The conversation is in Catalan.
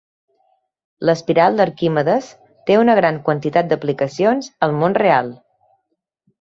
L'espiral d'Arquimedes té una gran quantitat d'aplicacions al món real.